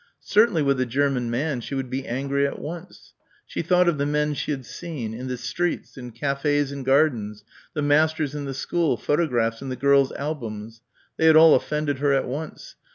Certainly with a German man she would be angry at once. She thought of the men she had seen in the streets, in cafés and gardens, the masters in the school, photographs in the girls' albums. They had all offended her at once.